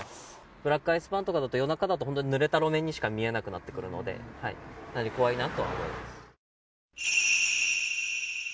ブラックアイスバーンとかだと、夜中だと本当にぬれた路面にしか見えなくなってくるので、怖いなとは思います。